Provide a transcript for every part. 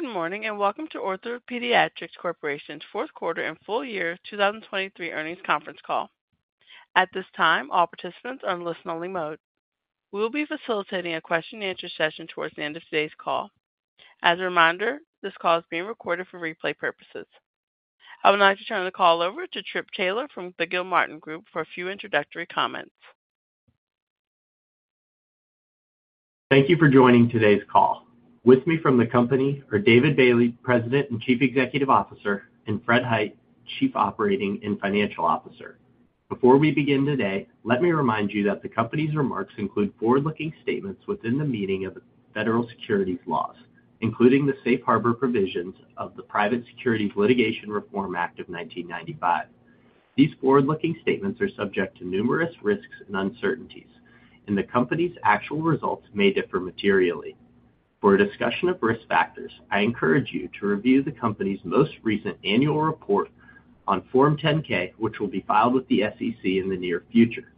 Good morning and welcome to OrthoPediatrics Corporation's Fourth Quarter and Full Year 2023 Earnings Conference Call. At this time, all participants are in listen-only mode. We will be facilitating a question-and-answer session towards the end of today's call. As a reminder, this call is being recorded for replay purposes. I would like to turn the call over to Tripp Taylor from the Gilmartin Group for a few introductory comments. Thank you for joining today's call. With me from the company are David Bailey, President and Chief Executive Officer, and Fred Hite, Chief Operating and Financial Officer. Before we begin today, let me remind you that the company's remarks include forward-looking statements within the meaning of federal securities laws, including the Safe Harbor provisions of the Private Securities Litigation Reform Act of 1995. These forward-looking statements are subject to numerous risks and uncertainties, and the company's actual results may differ materially. For a discussion of risk factors, I encourage you to review the company's most recent annual report on Form 10-K, which will be filed with the SEC in the near future.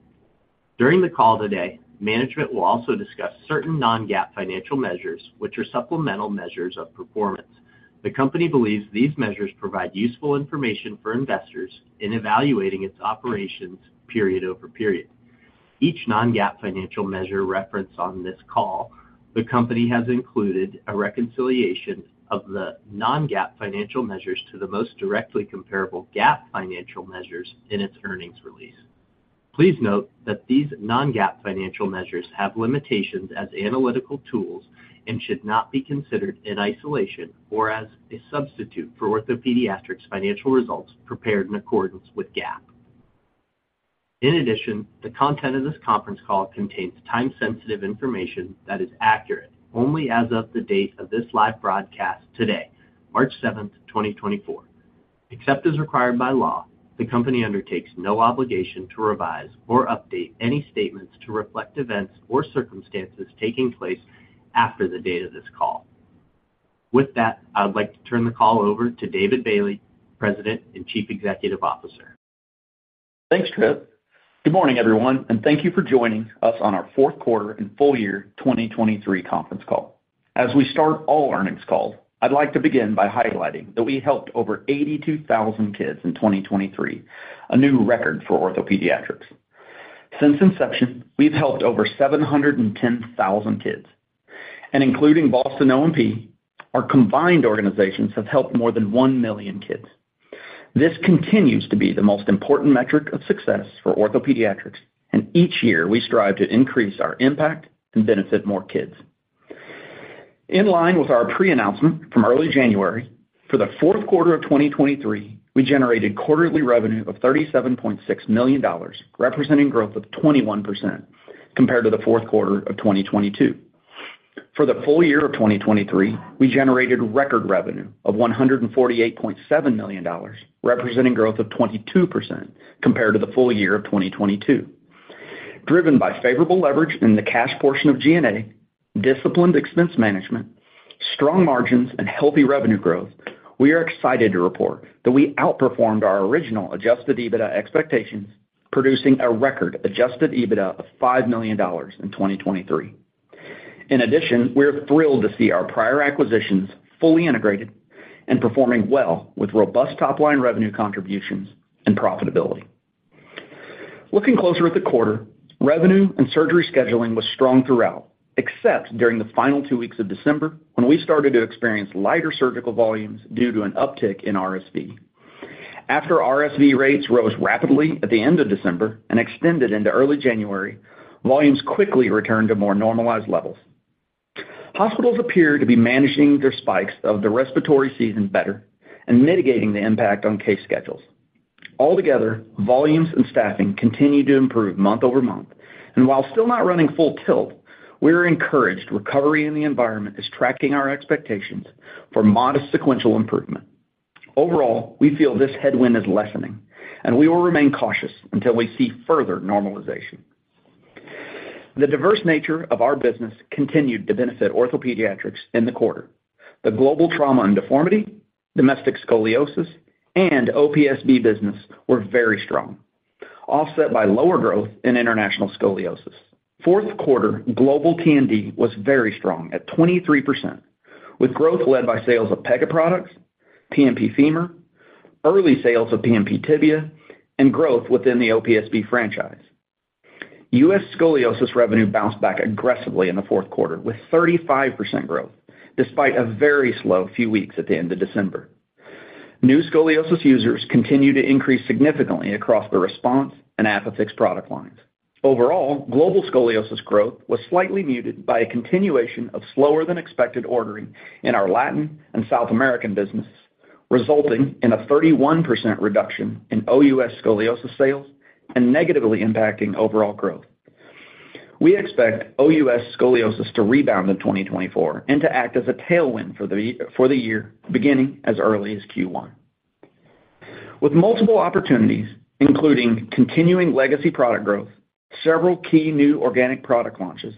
During the call today, management will also discuss certain non-GAAP financial measures, which are supplemental measures of performance. The company believes these measures provide useful information for investors in evaluating its operations period over period. Each non-GAAP financial measure referenced on this call, the company has included a reconciliation of the non-GAAP financial measures to the most directly comparable GAAP financial measures in its earnings release. Please note that these non-GAAP financial measures have limitations as analytical tools and should not be considered in isolation or as a substitute for OrthoPediatrics financial results prepared in accordance with GAAP. In addition, the content of this conference call contains time-sensitive information that is accurate only as of the date of this live broadcast today, March 7th, 2024. Except as required by law, the company undertakes no obligation to revise or update any statements to reflect events or circumstances taking place after the date of this call. With that, I would like to turn the call over to David Bailey, President and Chief Executive Officer. Thanks, Tripp. Good morning, everyone, and thank you for joining us on our fourth quarter and full year 2023 conference call. As we start all earnings calls, I'd like to begin by highlighting that we helped over 82,000 kids in 2023, a new record for OrthoPediatrics. Since inception, we've helped over 710,000 kids, and including Boston O&P, our combined organizations have helped more than 1,000,000 kids. This continues to be the most important metric of success for OrthoPediatrics, and each year we strive to increase our impact and benefit more kids. In line with our pre-announcement from early January, for the fourth quarter of 2023, we generated quarterly revenue of $37.6 million, representing growth of 21% compared to the fourth quarter of 2022. For the full year of 2023, we generated record revenue of $148.7 million, representing growth of 22% compared to the full year of 2022. Driven by favorable leverage in the cash portion of G&A, disciplined expense management, strong margins, and healthy revenue growth, we are excited to report that we outperformed our original Adjusted EBITDA expectations, producing a record Adjusted EBITDA of $5 million in 2023. In addition, we are thrilled to see our prior acquisitions fully integrated and performing well with robust top-line revenue contributions and profitability. Looking closer at the quarter, revenue and surgery scheduling was strong throughout, except during the final two weeks of December when we started to experience lighter surgical volumes due to an uptick in RSV. After RSV rates rose rapidly at the end of December and extended into early January, volumes quickly returned to more normalized levels. Hospitals appear to be managing their spikes of the respiratory season better and mitigating the impact on case schedules. Altogether, volumes and staffing continue to improve month-over-month, and while still not running full tilt, we are encouraged recovery in the environment is tracking our expectations for modest sequential improvement. Overall, we feel this headwind is lessening, and we will remain cautious until we see further normalization. The diverse nature of our business continued to benefit OrthoPediatrics in the quarter. The global trauma and deformity, domestic scoliosis, and OPSB business were very strong, offset by lower growth in international scoliosis. Fourth quarter global T&D was very strong at 23%, with growth led by sales of Pega products, PNP Femur, early sales of PNP Tibia, and growth within the OPSB franchise. U.S. scoliosis revenue bounced back aggressively in the fourth quarter with 35% growth, despite a very slow few weeks at the end of December. New scoliosis users continue to increase significantly across the RESPONSE and ApiFix product lines. Overall, global scoliosis growth was slightly muted by a continuation of slower-than-expected ordering in our Latin and South American businesses, resulting in a 31% reduction in OUS scoliosis sales and negatively impacting overall growth. We expect OUS scoliosis to rebound in 2024 and to act as a tailwind for the year beginning as early as Q1. With multiple opportunities, including continuing legacy product growth, several key new organic product launches,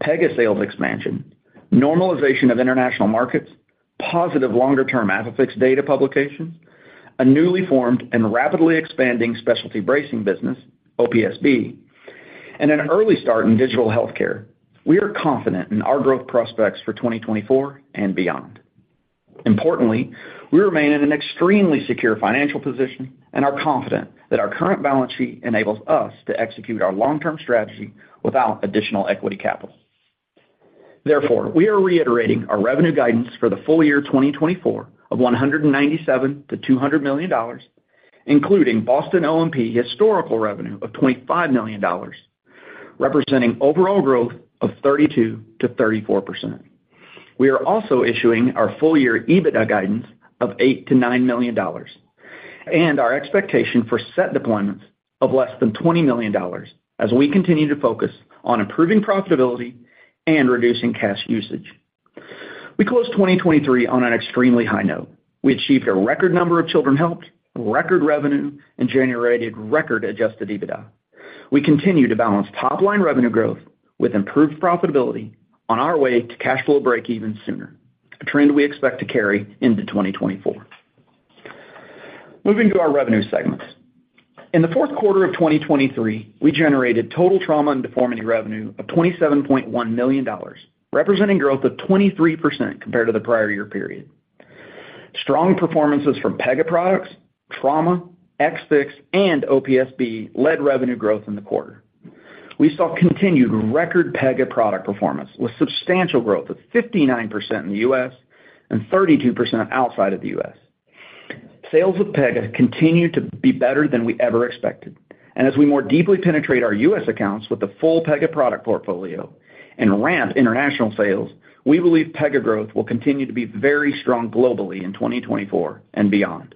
Pega sales expansion, normalization of international markets, positive longer-term Orthex data publications, a newly formed and rapidly expanding specialty bracing business, OPSB, and an early start in digital healthcare, we are confident in our growth prospects for 2024 and beyond. Importantly, we remain in an extremely secure financial position and are confident that our current balance sheet enables us to execute our long-term strategy without additional equity capital. Therefore, we are reiterating our revenue guidance for the full year 2024 of $197 to $200 million, including Boston O&P historical revenue of $25 million, representing overall growth of 32%-34%. We are also issuing our full year EBITDA guidance of $8 to $9 million and our expectation for set deployments of less than $20 million as we continue to focus on improving profitability and reducing cash usage. We closed 2023 on an extremely high note. We achieved a record number of children helped, record revenue, and generated record adjusted EBITDA. We continue to balance top-line revenue growth with improved profitability on our way to cash flow breakeven sooner, a trend we expect to carry into 2024. Moving to our revenue segments. In the fourth quarter of 2023, we generated total Trauma and Deformity revenue of $27.1 million, representing growth of 23% compared to the prior year period. Strong performances from Pega products, trauma, Orthex, and OPSB led revenue growth in the quarter. We saw continued record Pega product performance with substantial growth of 59% in the U.S. and 32% outside of the U.S. Sales of Pega continue to be better than we ever expected, and as we more deeply penetrate our U.S. accounts with the full Pega product portfolio and ramp international sales, we believe Pega growth will continue to be very strong globally in 2024 and beyond.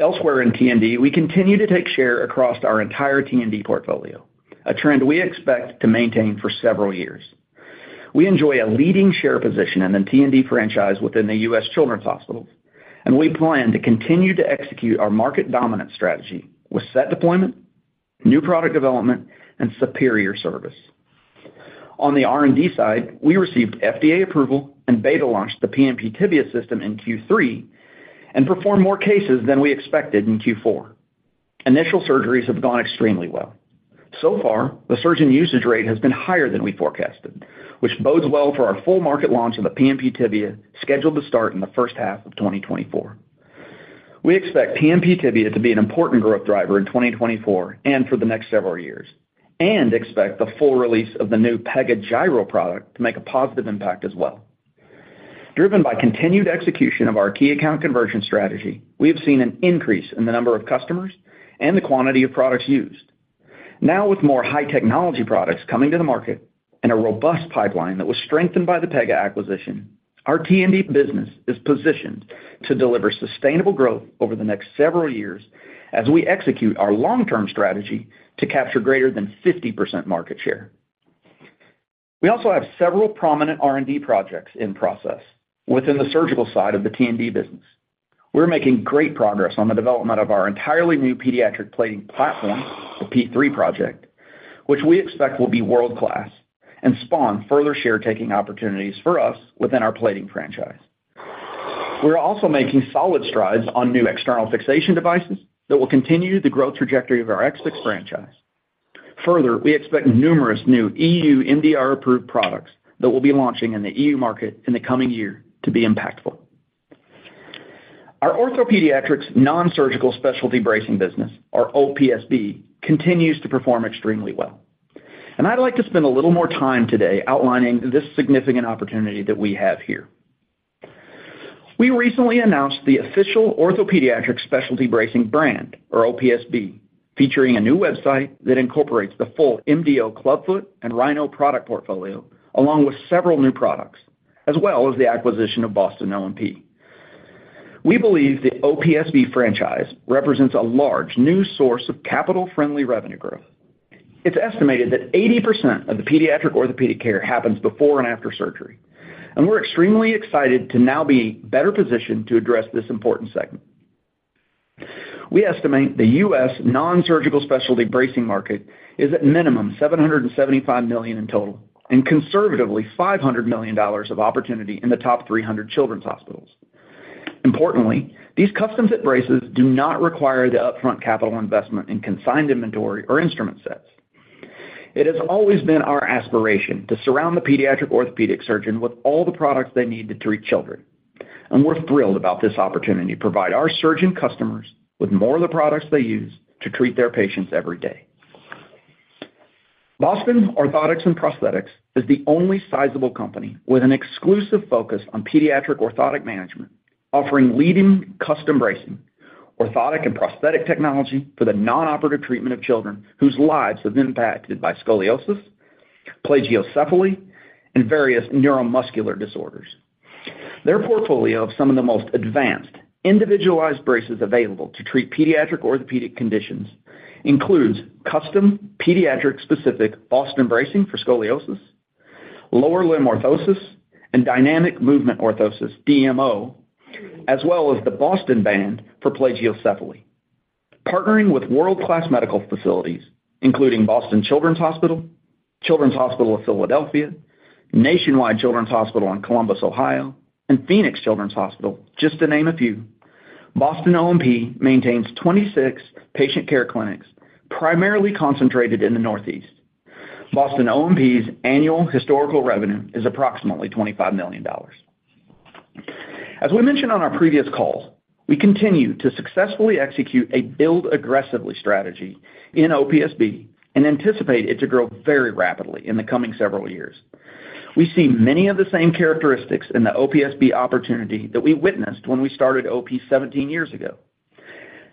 Elsewhere in T&D, we continue to take share across our entire T&D portfolio, a trend we expect to maintain for several years. We enjoy a leading share position in the T&D franchise within the U.S. children's hospitals, and we plan to continue to execute our market dominance strategy with set deployment, new product development, and superior service. On the R&D side, we received FDA approval and beta-launched the PNP Tibia system in Q3 and performed more cases than we expected in Q4. Initial surgeries have gone extremely well. So far, the surgeon usage rate has been higher than we forecasted, which bodes well for our full market launch of the PNP Tibia scheduled to start in the first half of 2024. We expect PNP Tibia to be an important growth driver in 2024 and for the next several years and expect the full release of the new Pega Gyro product to make a positive impact as well. Driven by continued execution of our key account conversion strategy, we have seen an increase in the number of customers and the quantity of products used. Now, with more high-technology products coming to the market and a robust pipeline that was strengthened by the Pega acquisition, our T&D business is positioned to deliver sustainable growth over the next several years as we execute our long-term strategy to capture greater than 50% market share. We also have several prominent R&D projects in process within the surgical side of the T&D business. We're making great progress on the development of our entirely new pediatric plating platform, the P3 project, which we expect will be world-class and spawn further share-taking opportunities for us within our plating franchise. We're also making solid strides on new external fixation devices that will continue the growth trajectory of our Orthex franchise. Further, we expect numerous new EU MDR-approved products that will be launching in the EU market in the coming year to be impactful. Our OrthoPediatrics non-surgical specialty bracing business, or OPSB, continues to perform extremely well, and I'd like to spend a little more time today outlining this significant opportunity that we have here. We recently announced the official OrthoPediatrics specialty bracing brand, or OPSB, featuring a new website that incorporates the full MDO Clubfoot and Rhino product portfolio along with several new products, as well as the acquisition of Boston O&P. We believe the OPSB franchise represents a large new source of capital-friendly revenue growth. It's estimated that 80% of the pediatric orthopedic care happens before and after surgery, and we're extremely excited to now be better positioned to address this important segment. We estimate the U.S. non-surgical specialty bracing market is at minimum $775 million in total and conservatively $500 million of opportunity in the top 300 children's hospitals. Importantly, these custom-fit braces do not require the upfront capital investment in consigned inventory or instrument sets. It has always been our aspiration to surround the pediatric orthopedic surgeon with all the products they need to treat children, and we're thrilled about this opportunity to provide our surgeon customers with more of the products they use to treat their patients every day. Boston Orthotics & Prosthetics is the only sizable company with an exclusive focus on pediatric orthotic management, offering leading custom bracing, orthotic, and prosthetic technology for the non-operative treatment of children whose lives have been impacted by scoliosis, plagiocephaly, and various neuromuscular disorders. Their portfolio of some of the most advanced individualized braces available to treat pediatric orthopedic conditions includes custom pediatric-specific Boston Bracing for scoliosis, lower limb orthosis, and Dynamic Movement Orthosis, DMO, as well as the Boston Band for plagiocephaly, partnering with world-class medical facilities including Boston Children's Hospital, Children's Hospital of Philadelphia, Nationwide Children's Hospital in Columbus, Ohio, and Phoenix Children's Hospital, just to name a few. Boston O&P maintains 26 patient care clinics primarily concentrated in the Northeast. Boston O&P's annual historical revenue is approximately $25 million. As we mentioned on our previous calls, we continue to successfully execute a build aggressively strategy in OPSB and anticipate it to grow very rapidly in the coming several years. We see many of the same characteristics in the OPSB opportunity that we witnessed when we started OP 17 years ago.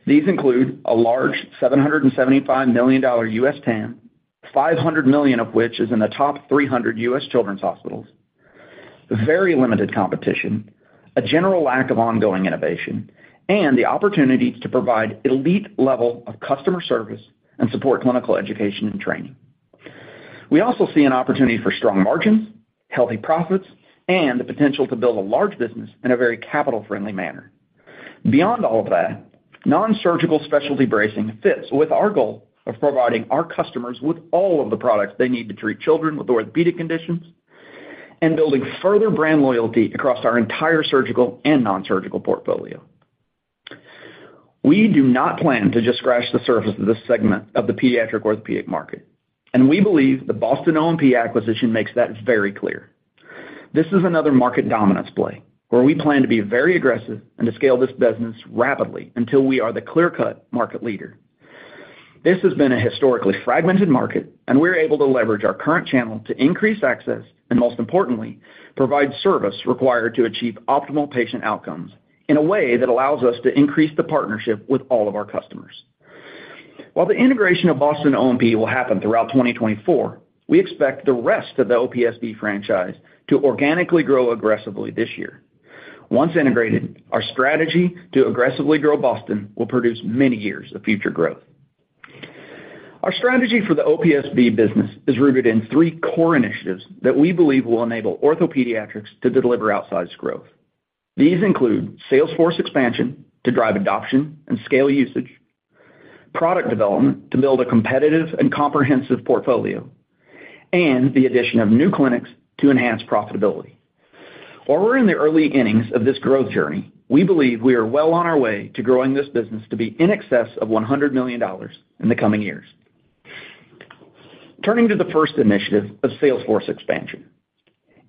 These include a large $775 million US TAM, $500 million of which is in the top 300 US children's hospitals, very limited competition, a general lack of ongoing innovation, and the opportunity to provide elite-level customer service and support clinical education and training. We also see an opportunity for strong margins, healthy profits, and the potential to build a large business in a very capital-friendly manner. Beyond all of that, non-surgical specialty bracing fits with our goal of providing our customers with all of the products they need to treat children with orthopedic conditions and building further brand loyalty across our entire surgical and non-surgical portfolio. We do not plan to just scratch the surface of this segment of the pediatric orthopedic market, and we believe the Boston O&P acquisition makes that very clear. This is another market dominance play where we plan to be very aggressive and to scale this business rapidly until we are the clear-cut market leader. This has been a historically fragmented market, and we're able to leverage our current channel to increase access and, most importantly, provide service required to achieve optimal patient outcomes in a way that allows us to increase the partnership with all of our customers. While the integration of Boston O&P will happen throughout 2024, we expect the rest of the OPSB franchise to organically grow aggressively this year. Once integrated, our strategy to aggressively grow Boston will produce many years of future growth. Our strategy for the OPSB business is rooted in three core initiatives that we believe will enable OrthoPediatrics to deliver outsized growth. These include sales force expansion to drive adoption and scale usage, product development to build a competitive and comprehensive portfolio, and the addition of new clinics to enhance profitability. While we're in the early innings of this growth journey, we believe we are well on our way to growing this business to be in excess of $100 million in the coming years. Turning to the first initiative of sales force expansion.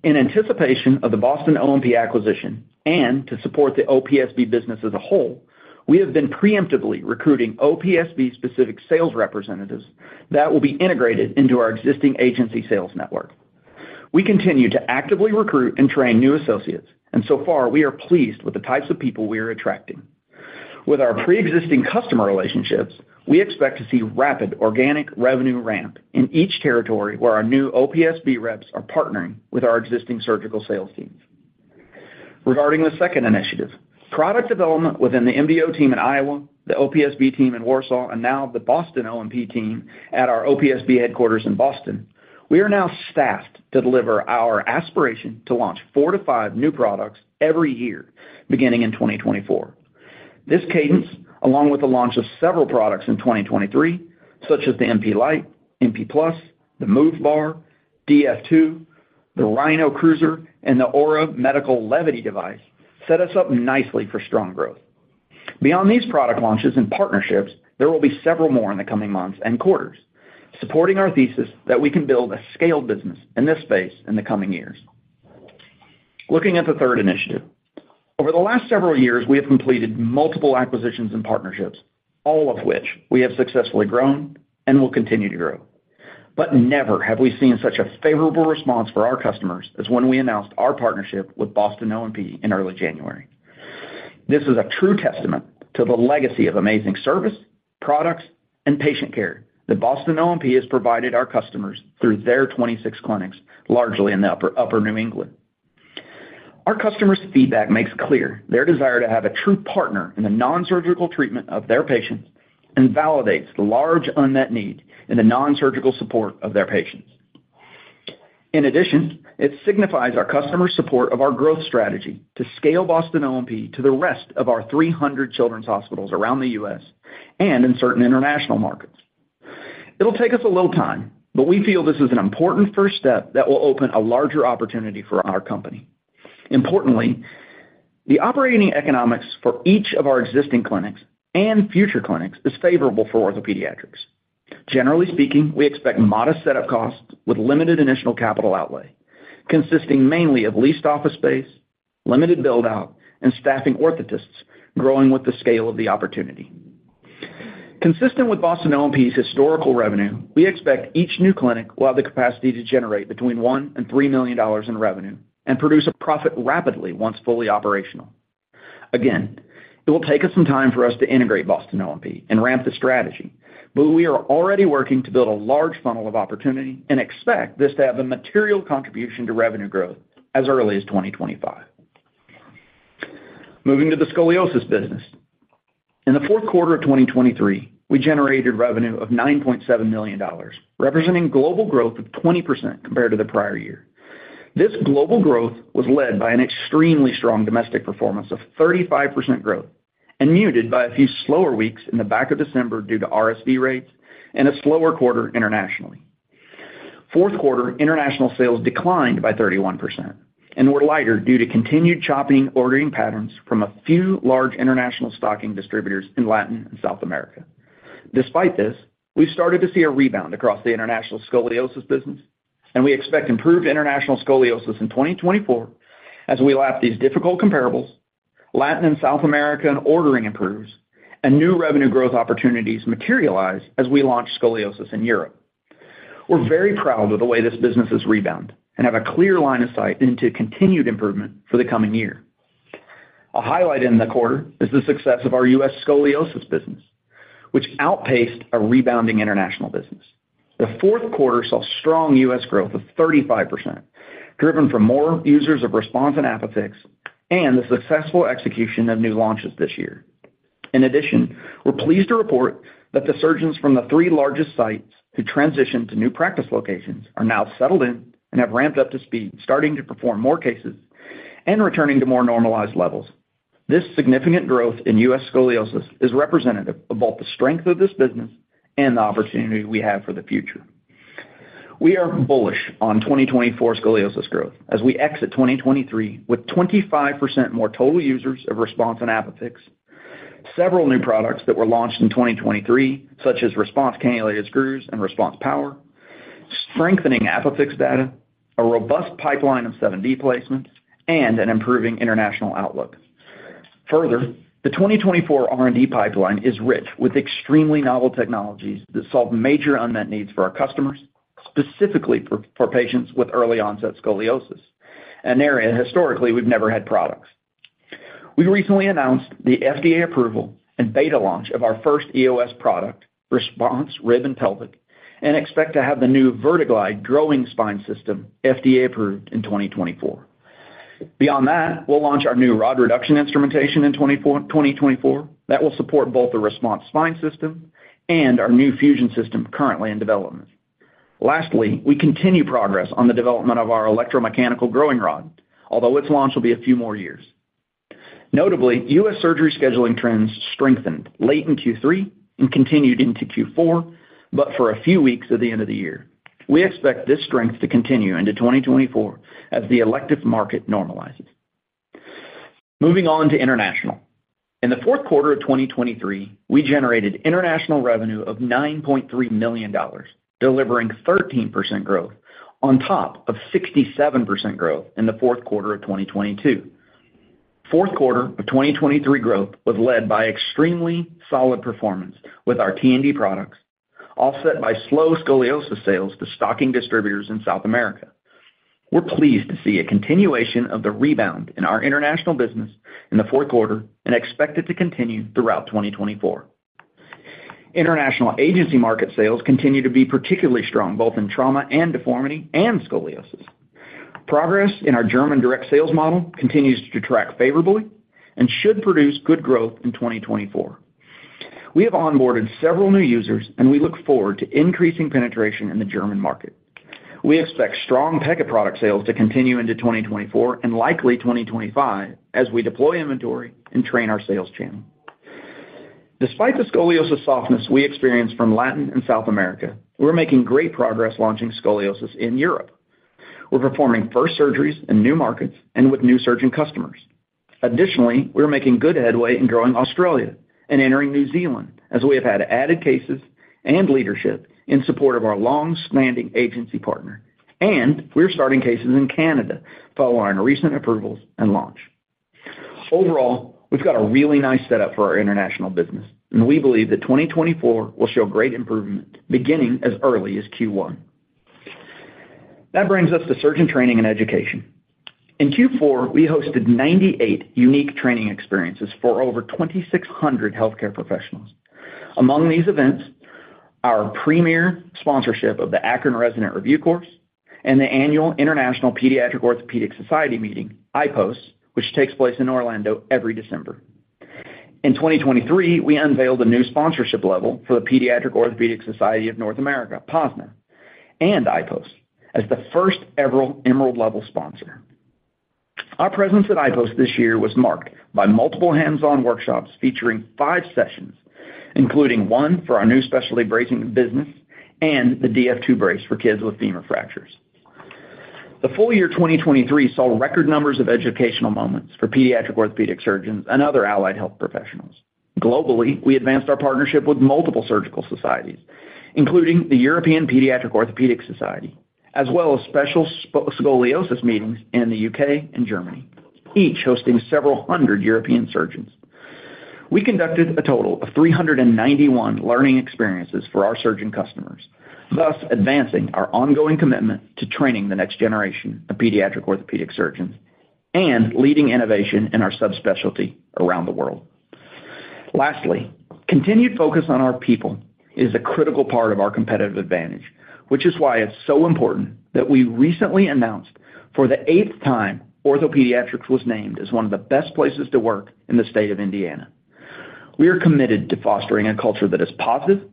In anticipation of the Boston O&P acquisition and to support the OPSB business as a whole, we have been preemptively recruiting OPSB-specific sales representatives that will be integrated into our existing agency sales network. We continue to actively recruit and train new associates, and so far, we are pleased with the types of people we are attracting. With our pre-existing customer relationships, we expect to see rapid organic revenue ramp in each territory where our new OPSB reps are partnering with our existing surgical sales teams. Regarding the second initiative, product development within the MD Orthopaedics team in Iowa, the OPSB team in Warsaw, and now the Boston O&P team at our OPSB headquarters in Boston, we are now staffed to deliver our aspiration to launch four-five new products every year beginning in 2024. This cadence, along with the launch of several products in 2023 such as the MP Lite, MP Plus, the Move Bar, DF2, the Rhino Cruiser, and the Orthex Medical Levity device, set us up nicely for strong growth. Beyond these product launches and partnerships, there will be several more in the coming months and quarters supporting our thesis that we can build a scaled business in this space in the coming years. Looking at the third initiative. Over the last several years, we have completed multiple acquisitions and partnerships, all of which we have successfully grown and will continue to grow. But never have we seen such a favorable response for our customers as when we announced our partnership with Boston O&P in early January. This is a true testament to the legacy of amazing service, products, and patient care that Boston O&P has provided our customers through their 26 clinics, largely in the upper New England. Our customers' feedback makes clear their desire to have a true partner in the non-surgical treatment of their patients and validates the large unmet need in the non-surgical support of their patients. In addition, it signifies our customers' support of our growth strategy to scale Boston O&P to the rest of our 300 children's hospitals around the U.S. and in certain international markets. It'll take us a little time, but we feel this is an important first step that will open a larger opportunity for our company. Importantly, the operating economics for each of our existing clinics and future clinics is favorable for OrthoPediatrics. Generally speaking, we expect modest setup costs with limited initial capital outlay consisting mainly of leased office space, limited buildout, and staffing orthotists growing with the scale of the opportunity. Consistent with Boston O&P's historical revenue, we expect each new clinic to have the capacity to generate between $1 million and $3 million in revenue and produce a profit rapidly once fully operational. Again, it will take us some time for us to integrate Boston O&P and ramp the strategy, but we are already working to build a large funnel of opportunity and expect this to have a material contribution to revenue growth as early as 2025. Moving to the scoliosis business. In the fourth quarter of 2023, we generated revenue of $9.7 million, representing global growth of 20% compared to the prior year. This global growth was led by an extremely strong domestic performance of 35% growth and muted by a few slower weeks in the back of December due to RSV rates and a slower quarter internationally. Fourth quarter, international sales declined by 31% and were lighter due to continued choppy ordering patterns from a few large international stocking distributors in Latin and South America. Despite this, we've started to see a rebound across the international scoliosis business, and we expect improved international scoliosis in 2024 as we lap these difficult comparables, Latin and South America in ordering improves, and new revenue growth opportunities materialize as we launch scoliosis in Europe. We're very proud of the way this business has rebounded and have a clear line of sight into continued improvement for the coming year. A highlight in the quarter is the success of our U.S. scoliosis business, which outpaced a rebounding international business. The fourth quarter saw strong U.S. growth of 35% driven from more users of RESPONSE and ApiFix and the successful execution of new launches this year. In addition, we're pleased to report that the surgeons from the three largest sites who transitioned to new practice locations are now settled in and have ramped up to speed, starting to perform more cases and returning to more normalized levels. This significant growth in U.S. scoliosis is representative of both the strength of this business and the opportunity we have for the future. We are bullish on 2024 scoliosis growth as we exit 2023 with 25% more total users of RESPONSE and ApiFix, several new products that were launched in 2023 such as RESPONSE Cannulated Screws and RESPONSE Power, strengthening ApiFix data, a robust pipeline of 7D placements, and an improving international outlook. Further, the 2024 R&D pipeline is rich with extremely novel technologies that solve major unmet needs for our customers, specifically for patients with early-onset scoliosis, an area historically we've never had products. We recently announced the FDA approval and beta launch of our first EOS product, RESPONSE Rib and Pelvic, and expect to have the new VertiGlide Growing Spine System FDA approved in 2024. Beyond that, we'll launch our new rod reduction instrumentation in 2024 that will support both the RESPONSE Spine System and our new fusion system currently in development. Lastly, we continue progress on the development of our electromechanical growing rod, although its launch will be a few more years. Notably, U.S. surgery scheduling trends strengthened late in Q3 and continued into Q4, but for a few weeks at the end of the year. We expect this strength to continue into 2024 as the elective market normalizes. Moving on to international. In the fourth quarter of 2023, we generated international revenue of $9.3 million, delivering 13% growth on top of 67% growth in the fourth quarter of 2022. Fourth quarter of 2023 growth was led by extremely solid performance with our T&D products, offset by slow scoliosis sales to stocking distributors in South America. We're pleased to see a continuation of the rebound in our international business in the fourth quarter and expect it to continue throughout 2024. International agency market sales continue to be particularly strong both in Trauma and Deformity and Scoliosis. Progress in our German direct sales model continues to track favorably and should produce good growth in 2024. We have onboarded several new users, and we look forward to increasing penetration in the German market. We expect strong Pega product sales to continue into 2024 and likely 2025 as we deploy inventory and train our sales channel. Despite the Scoliosis softness we experienced from Latin America and South America, we're making great progress launching Scoliosis in Europe. We're performing first surgeries in new markets and with new surgeon customers. Additionally, we're making good headway in growing Australia and entering New Zealand as we have had added cases and leadership in support of our long-standing agency partner, and we're starting cases in Canada following recent approvals and launch. Overall, we've got a really nice setup for our international business, and we believe that 2024 will show great improvement beginning as early as Q1. That brings us to surgeon training and education. In Q4, we hosted 98 unique training experiences for over 2,600 healthcare professionals. Among these events, our premier sponsorship of the Akron Resident Review Course and the annual International Pediatric Orthopedic Society meeting, IPOS, which takes place in Orlando every December. In 2023, we unveiled a new sponsorship level for the Pediatric Orthopedic Society of North America, POSNA, and IPOS as the first-ever Emerald-level sponsor. Our presence at IPOS this year was marked by multiple hands-on workshops featuring five sessions, including one for our new specialty bracing business and the DF2 brace for kids with femur fractures. The full year 2023 saw record numbers of educational moments for pediatric orthopedic surgeons and other allied health professionals. Globally, we advanced our partnership with multiple surgical societies, including the European Pediatric Orthopedic Society, as well as special scoliosis meetings in the U.K. and Germany, each hosting several hundred European surgeons. We conducted a total of 391 learning experiences for our surgeon customers, thus advancing our ongoing commitment to training the next generation of pediatric orthopedic surgeons and leading innovation in our subspecialty around the world. Lastly, continued focus on our people is a critical part of our competitive advantage, which is why it's so important that we recently announced for the eighth time OrthoPediatrics was named as one of the best places to work in the state of Indiana. We are committed to fostering a culture that is positive,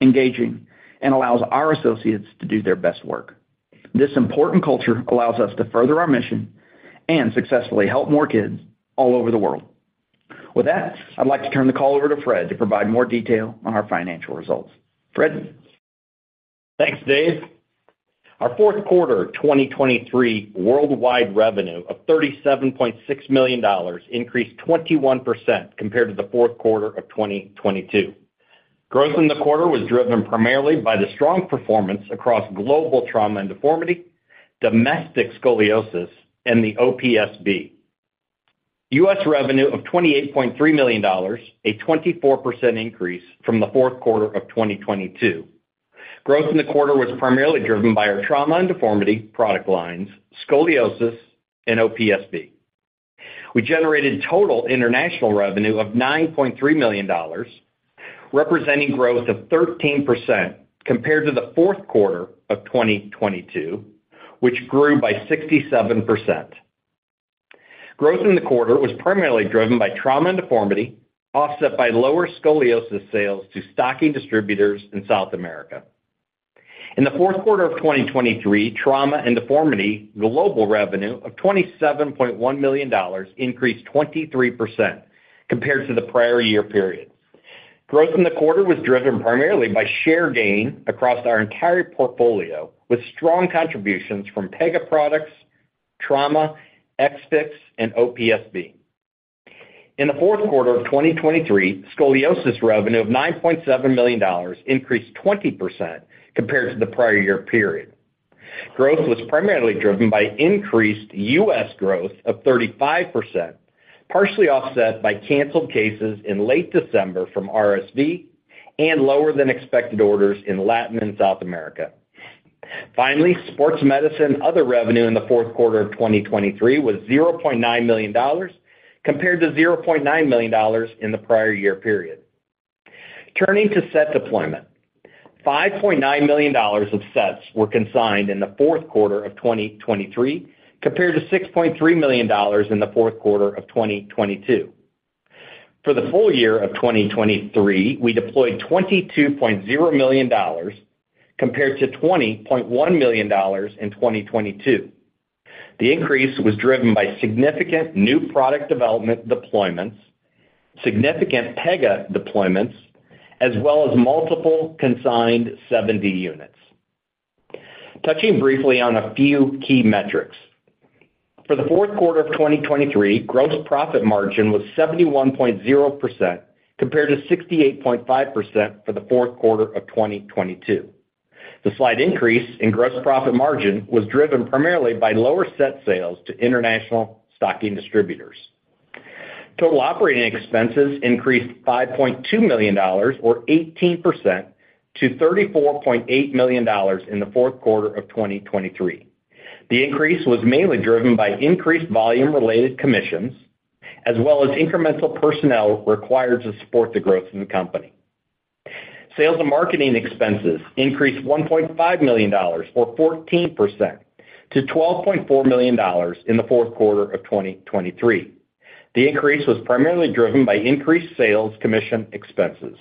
engaging, and allows our associates to do their best work. This important culture allows us to further our mission and successfully help more kids all over the world. With that, I'd like to turn the call over to Fred to provide more detail on our financial results. Fred. Thanks, Dave. Our fourth quarter of 2023 worldwide revenue of $37.6 million increased 21% compared to the fourth quarter of 2022. Growth in the quarter was driven primarily by the strong performance across global trauma and deformity, domestic scoliosis, and the OPSB. US revenue of $28.3 million, a 24% increase from the fourth quarter of 2022. Growth in the quarter was primarily driven by our trauma and deformity product lines, scoliosis, and OPSB. We generated total international revenue of $9.3 million, representing growth of 13% compared to the fourth quarter of 2022, which grew by 67%. Growth in the quarter was primarily driven by trauma and deformity, offset by lower scoliosis sales to stocking distributors in South America. In the fourth quarter of 2023, Trauma and Deformity global revenue of $27.1 million increased 23% compared to the prior year period. Growth in the quarter was driven primarily by share gain across our entire portfolio with strong contributions from Pega products, trauma, Ex-Fix, and OPSB. In the fourth quarter of 2023, scoliosis revenue of $9.7 million increased 20% compared to the prior year period. Growth was primarily driven by increased U.S. growth of 35%, partially offset by canceled cases in late December from RSV and lower-than-expected orders in Latin and South America. Finally, Sports Medicine other revenue in the fourth quarter of 2023 was $0.9 million compared to $0.9 million in the prior year period. Turning to set deployment, $5.9 million of sets were consigned in the fourth quarter of 2023 compared to $6.3 million in the fourth quarter of 2022. For the full year of 2023, we deployed $22.0 million compared to $20.1 million in 2022. The increase was driven by significant new product development deployments, significant Pega deployments, as well as multiple consigned 7D units. Touching briefly on a few key metrics. For the fourth quarter of 2023, gross profit margin was 71.0% compared to 68.5% for the fourth quarter of 2022. The slight increase in gross profit margin was driven primarily by lower set sales to international stocking distributors. Total operating expenses increased $5.2 million or 18% to $34.8 million in the fourth quarter of 2023. The increase was mainly driven by increased volume-related commissions as well as incremental personnel required to support the growth of the company. Sales and marketing expenses increased $1.5 million or 14% to $12.4 million in the fourth quarter of 2023. The increase was primarily driven by increased sales commission expenses.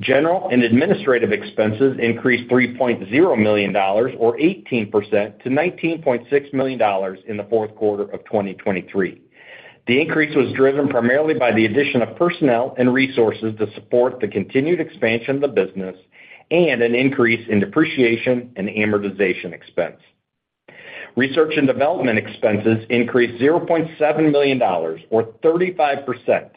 General and administrative expenses increased $3.0 million or 18% to $19.6 million in the fourth quarter of 2023. The increase was driven primarily by the addition of personnel and resources to support the continued expansion of the business and an increase in depreciation and amortization expense. Research and development expenses increased $0.7 million or 35%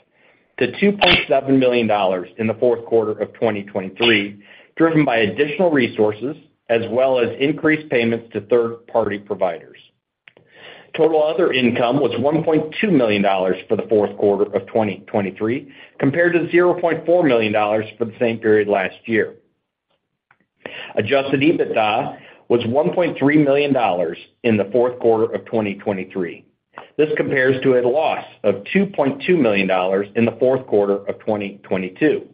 to $2.7 million in the fourth quarter of 2023, driven by additional resources as well as increased payments to third-party providers. Total other income was $1.2 million for the fourth quarter of 2023 compared to $0.4 million for the same period last year. Adjusted EBITDA was $1.3 million in the fourth quarter of 2023. This compares to a loss of $2.2 million in the fourth quarter of 2022.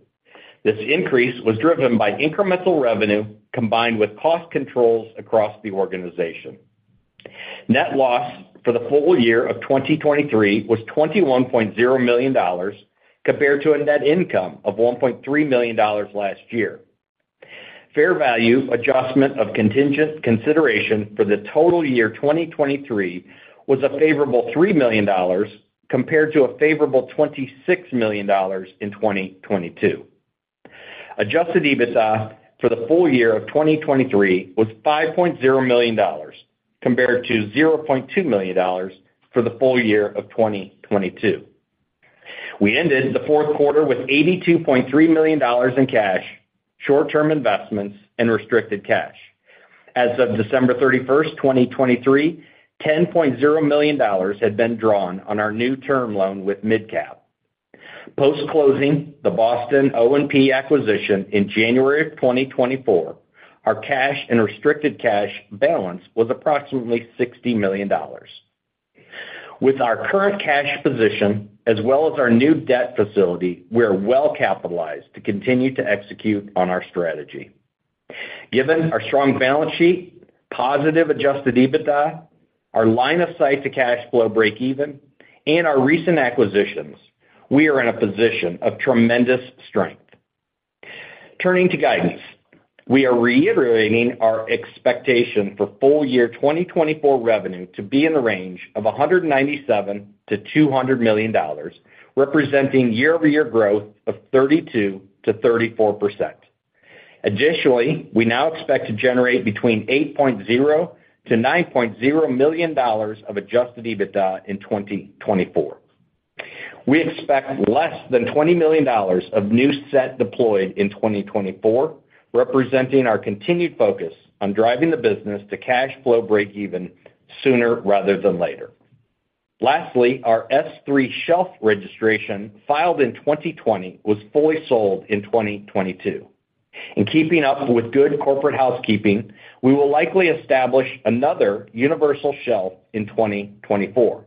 This increase was driven by incremental revenue combined with cost controls across the organization. Net loss for the full year of 2023 was $21.0 million compared to a net income of $1.3 million last year. Fair value adjustment of contingent consideration for the total year 2023 was a favorable $3 million compared to a favorable $26 million in 2022. Adjusted EBITDA for the full year of 2023 was $5.0 million compared to $0.2 million for the full year of 2022. We ended the fourth quarter with $82.3 million in cash, short-term investments, and restricted cash. As of December 31st, 2023, $10.0 million had been drawn on our new term loan with MidCap. Post-closing the Boston O&P acquisition in January of 2024, our cash and restricted cash balance was approximately $60 million. With our current cash position as well as our new debt facility, we are well capitalized to continue to execute on our strategy. Given our strong balance sheet, positive Adjusted EBITDA, our line of sight to cash flow break-even, and our recent acquisitions, we are in a position of tremendous strength. Turning to guidance, we are reiterating our expectation for full year 2024 revenue to be in the range of $197-$200 million, representing year-over-year growth of 32%-34%. Additionally, we now expect to generate between $8.0-$9.0 million of Adjusted EBITDA in 2024. We expect less than $20 million of new debt deployed in 2024, representing our continued focus on driving the business to cash flow break-even sooner rather than later. Lastly, our S-3 shelf registration filed in 2020 was fully sold in 2022. In keeping up with good corporate housekeeping, we will likely establish another universal shelf in 2024.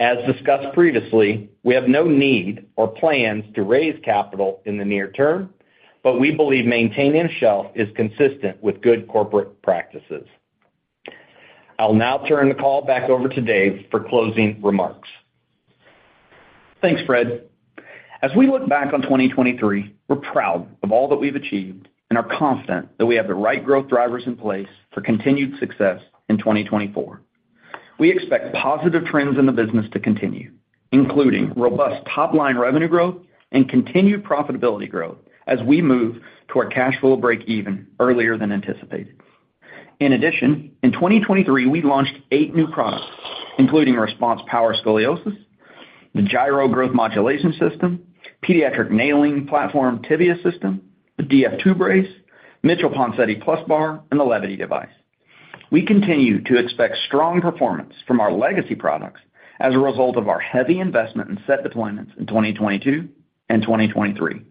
As discussed previously, we have no need or plans to raise capital in the near term, but we believe maintaining shelf is consistent with good corporate practices. I'll now turn the call back over to Dave for closing remarks. Thanks, Fred. As we look back on 2023, we're proud of all that we've achieved and are confident that we have the right growth drivers in place for continued success in 2024. We expect positive trends in the business to continue, including robust top-line revenue growth and continued profitability growth as we move toward cash flow break-even earlier than anticipated. In addition, in 2023, we launched 8 new products, including RESPONSE Power Scoliosis, the Gyro Growth Modulation System, Pediatric Nailing Platform Tibia System, the DF2 brace, Mitchell Ponseti Plus Bar, and the Levity device. We continue to expect strong performance from our legacy products as a result of our heavy investment and set deployments in 2022 and 2023.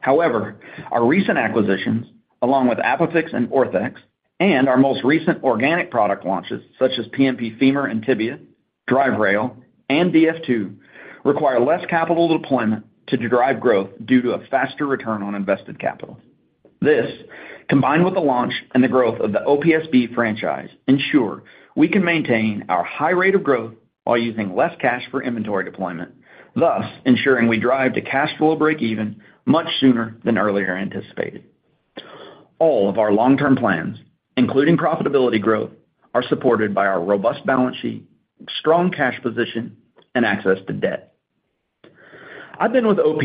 However, our recent acquisitions, along with ApiFix and Orthex, and our most recent organic product launches such as PNP Femur and Tibia, DRIVE Rail, and DF2, require less capital deployment to drive growth due to a faster return on invested capital. This, combined with the launch and the growth of the OPSB franchise, ensures we can maintain our high rate of growth while using less cash for inventory deployment, thus ensuring we drive to cash flow break-even much sooner than earlier anticipated. All of our long-term plans, including profitability growth, are supported by our robust balance sheet, strong cash position, and access to debt. I've been with OP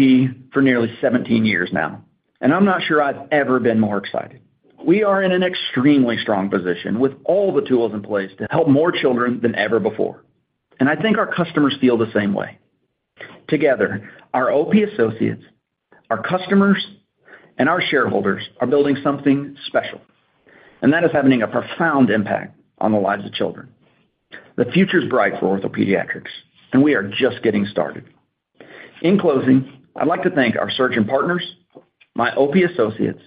for nearly 17 years now, and I'm not sure I've ever been more excited. We are in an extremely strong position with all the tools in place to help more children than ever before, and I think our customers feel the same way. Together, our OP associates, our customers, and our shareholders are building something special, and that is having a profound impact on the lives of children. The future is bright for OrthoPediatrics, and we are just getting started. In closing, I'd like to thank our surgeon partners, my OP associates,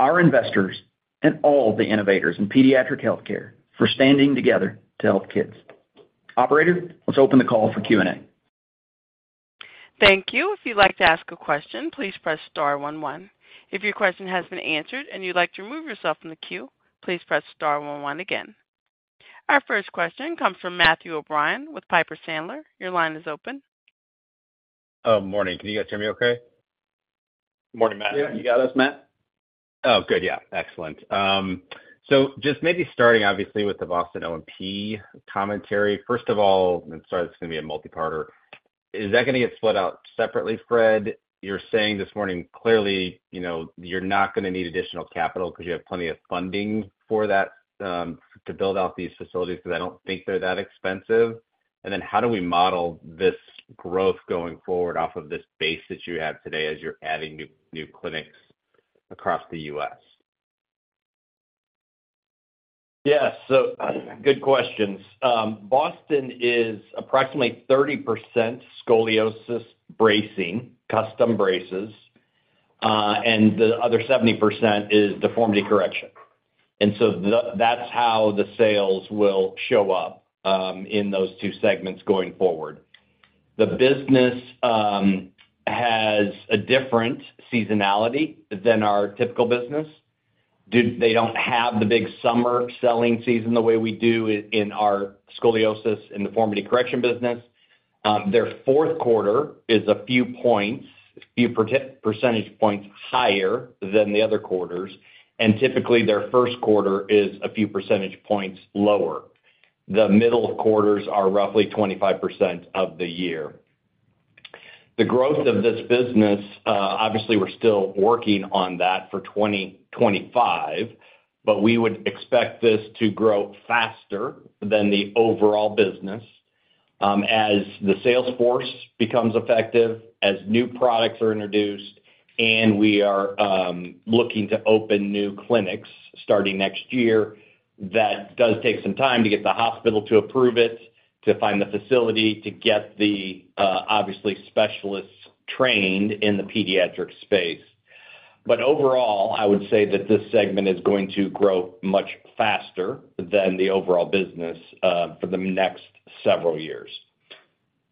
our investors, and all the innovators in pediatric healthcare for standing together to help kids. Operator, let's open the call for Q&A. Thank you. If you'd like to ask a question, please press star one one. If your question has been answered and you'd like to remove yourself from the queue, please press star one one again. Our first question comes from Matthew O'Brien with Piper Sandler. Your line is open. Morning. Can you guys hear me okay? Morning, Matt. Yeah. You got us, Matt? Oh, good. Yeah. Excellent. So just maybe starting, obviously, with the Boston O&P commentary. First of all, and sorry, this is going to be a multi-parter. Is that going to get split out separately, Fred? You're saying this morning clearly you're not going to need additional capital because you have plenty of funding for that to build out these facilities because I don't think they're that expensive. And then how do we model this growth going forward off of this base that you have today as you're adding new clinics across the U.S.? Yeah. So good questions. Boston is approximately 30% scoliosis bracing, custom braces, and the other 70% is deformity correction. And so that's how the sales will show up in those two segments going forward. The business has a different seasonality than our typical business. They don't have the big summer selling season the way we do in our scoliosis and deformity correction business. Their fourth quarter is a few points, a few percentage points higher than the other quarters, and typically, their first quarter is a few percentage points lower. The middle quarters are roughly 25% of the year. The growth of this business, obviously, we're still working on that for 2025, but we would expect this to grow faster than the overall business as the sales force becomes effective, as new products are introduced, and we are looking to open new clinics starting next year. That does take some time to get the hospital to approve it, to find the facility, to get the, obviously, specialists trained in the pediatric space. But overall, I would say that this segment is going to grow much faster than the overall business for the next several years.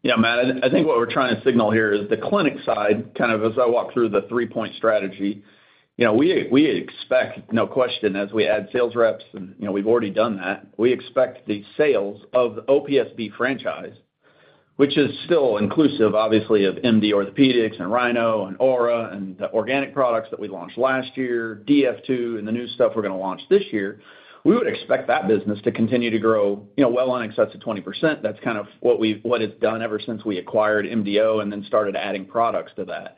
Yeah, Matt. I think what we're trying to signal here is the clinic side. Kind of as I walk through the three-point strategy, we expect, no question, as we add sales reps, and we've already done that, we expect the sales of the OPSB franchise, which is still inclusive, obviously, of MD Orthopaedics and Rhino and Ora and the organic products that we launched last year, DF2, and the new stuff we're going to launch this year, we would expect that business to continue to grow well in excess of 20%. That's kind of what it's done ever since we acquired MDO and then started adding products to that.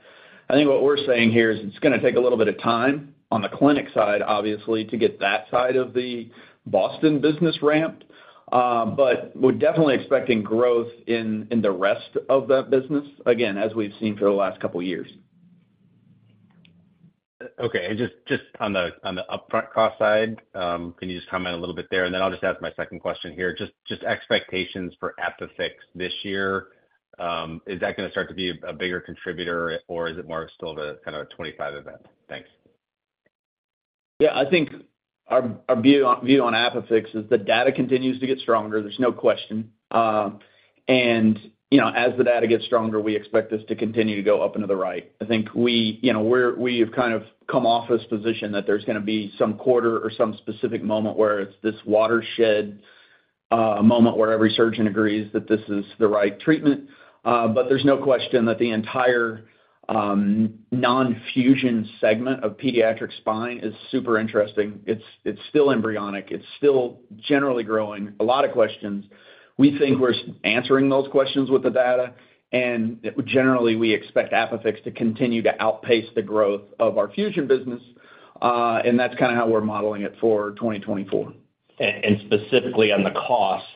I think what we're saying here is it's going to take a little bit of time on the clinic side, obviously, to get that side of the Boston business ramped, but we're definitely expecting growth in the rest of that business, again, as we've seen for the last couple of years. Okay. Just on the upfront cost side, can you just comment a little bit there? Then I'll just ask my second question here. Just expectations for ApiFix this year, is that going to start to be a bigger contributor, or is it more still kind of a 25 event? Thanks. Yeah. I think our view on ApiFix is the data continues to get stronger. There's no question. And as the data gets stronger, we expect this to continue to go up and to the right.I think we have kind of come off this position that there's going to be some quarter or some specific moment where it's this watershed moment where every surgeon agrees that this is the right treatment. But there's no question that the entire non-fusion segment of pediatric spine is super interesting. It's still embryonic. It's still generally growing. A lot of questions. We think we're answering those questions with the data. And generally, we expect ApiFix to continue to outpace the growth of our fusion business, and that's kind of how we're modeling it for 2024. And specifically on the cost,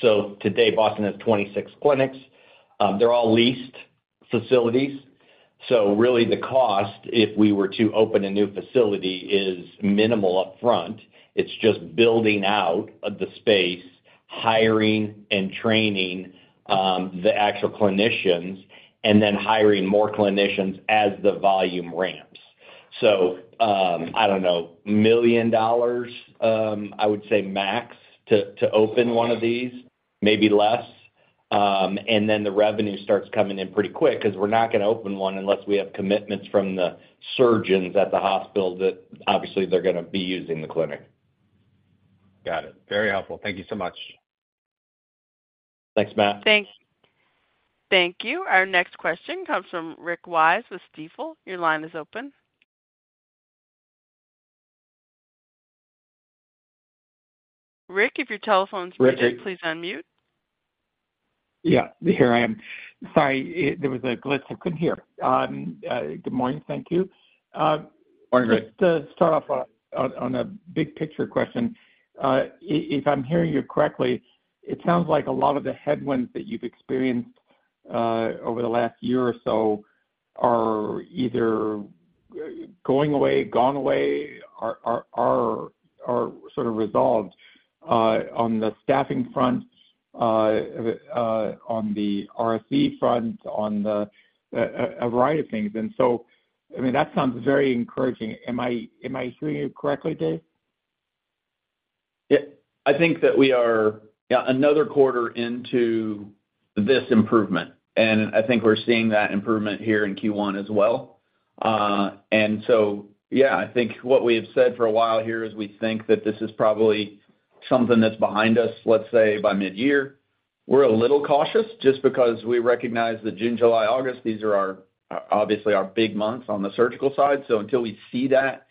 so today, Boston has 26 clinics. They're all leased facilities. So really, the cost, if we were to open a new facility, is minimal upfront. It's just building out the space, hiring and training the actual clinicians, and then hiring more clinicians as the volume ramps. So I don't know, $1 million, I would say, max to open one of these, maybe less. And then the revenue starts coming in pretty quick because we're not going to open one unless we have commitments from the surgeons at the hospital that, obviously, they're going to be using the clinic. Got it. Very helpful. Thank you so much. Thanks, Matt. Thank you. Our next question comes from Rick Wise with Stifel. Your line is open. Rick, if your telephone's muted, please unmute. Yeah. Here I am. Sorry. There was a glitch. I couldn't hear. Good morning. Thank you. Morning, Rick. Just to start off on a big-picture question, if I'm hearing you correctly, it sounds like a lot of the headwinds that you've experienced over the last year or so are either going away, gone away, or sort of resolved on the staffing front, on the RSE front, on a variety of things. And so, I mean, that sounds very encouraging. Am I hearing you correctly, Dave? Yeah. I think that we are, yeah, another quarter into this improvement, and I think we're seeing that improvement here in Q1 as well. And so, yeah, I think what we have said for a while here is we think that this is probably something that's behind us, let's say, by mid-year. We're a little cautious just because we recognize that June, July, August, these are obviously our big months on the surgical side So until we see that,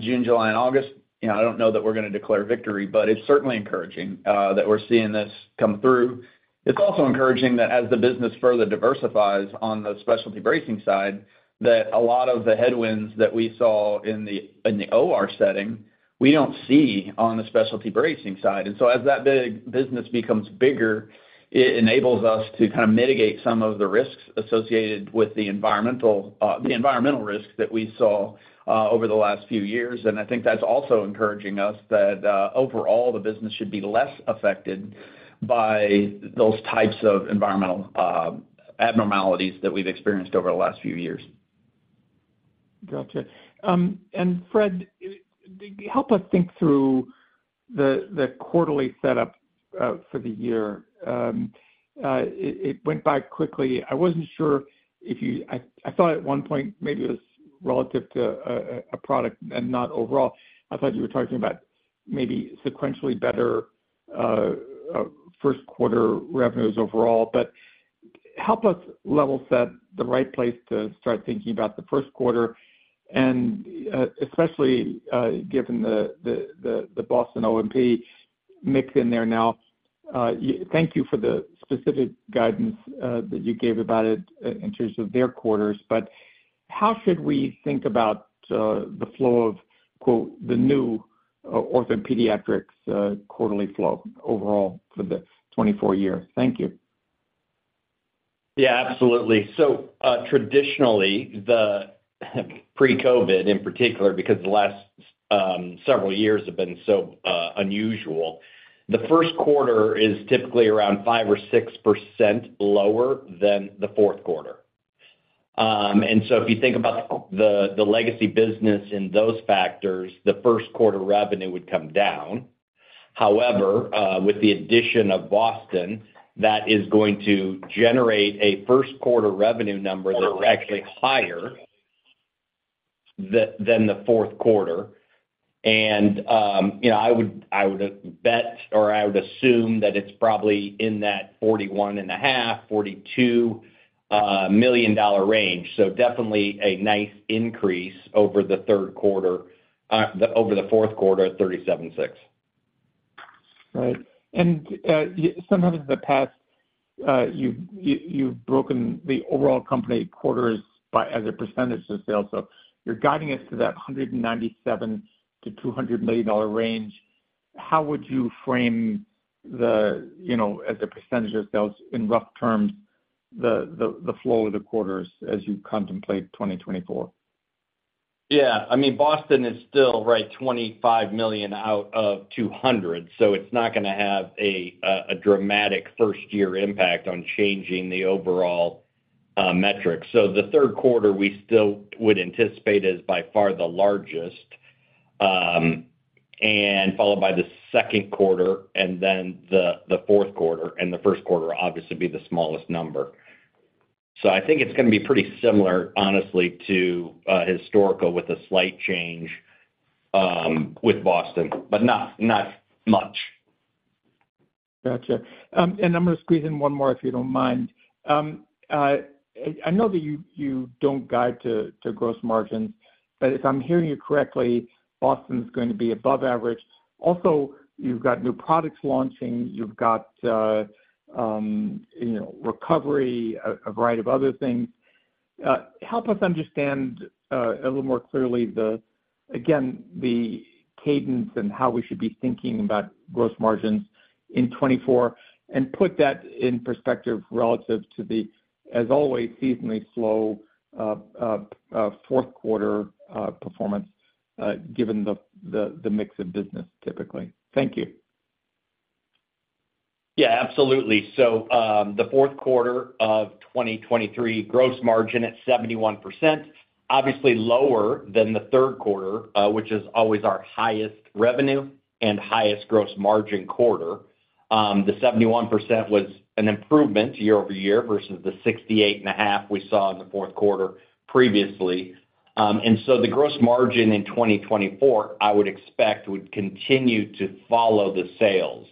June, July, and August, I don't know that we're going to declare victory, but it's certainly encouraging that we're seeing this come through. It's also encouraging that as the business further diversifies on the specialty bracing side, that a lot of the headwinds that we saw in the OR setting, we don't see on the specialty bracing side. And so as that big business becomes bigger, it enables us to kind of mitigate some of the risks associated with the environmental risks that we saw over the last few years. And I think that's also encouraging us that overall, the business should be less affected by those types of environmental abnormalities that we've experienced over the last few years. Gotcha. And Fred, help us think through the quarterly setup for the year. It went by quickly. I wasn't sure if you, I thought at one point maybe it was relative to a product and not overall. I thought you were talking about maybe sequentially better first-quarter revenues overall. But help us level set the right place to start thinking about the first quarter, and especially given the Boston O&P mix in there now. Thank you for the specific guidance that you gave about it in terms of their quarters. But how should we think about the flow of "the new OrthoPediatrics quarterly flow" overall for 2024? Thank you. Yeah. Absolutely. So traditionally, pre-COVID in particular, because the last several years have been so unusual, the first quarter is typically around 5% or 6% lower than the fourth quarter. And so if you think about the legacy business and those factors, the first-quarter revenue would come down. However, with the addition of Boston, that is going to generate a first-quarter revenue number that's actually higher than the fourth quarter. And I would bet or I would assume that it's probably in that $41.5 to $42 million range. So definitely a nice increase over the third quarter over the fourth quarter at $37.6 million. Right. And sometimes in the past, you've broken the overall company quarters as a percentage of sales. So you're guiding us to that $197 to $200 million range. How would you frame the, as a percentage of sales in rough terms, the flow of the quarters as you contemplate 2024? Yeah. I mean, Boston is still, right, $25 million out of $200 million, so it's not going to have a dramatic first-year impact on changing the overall metrics. So the third quarter, we still would anticipate is by far the largest, followed by the second quarter, and then the fourth quarter. And the first quarter will obviously be the smallest number. So I think it's going to be pretty similar, honestly, to historical with a slight change with Boston, but not much. Gotcha. And I'm going to squeeze in one more if you don't mind. I know that you don't guide to gross margins, but if I'm hearing you correctly, Boston is going to be above average. Also, you've got new products launching. You've got recovery, a variety of other things. Help us understand a little more clearly, again, the cadence and how we should be thinking about gross margins in 2024 and put that in perspective relative to the, as always, seasonally slow fourth quarter performance given the mix of business typically. Thank you. Yeah. Absolutely. So the fourth quarter of 2023, gross margin at 71%, obviously lower than the third quarter, which is always our highest revenue and highest gross margin quarter. The 71% was an improvement year over year versus the 68.5% we saw in the fourth quarter previously. And so the gross margin in 2024, I would expect, would continue to follow the sales.